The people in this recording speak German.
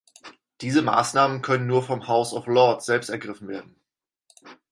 Diese Maßnahmen können nur vom House of Lords selbst ergriffen werden.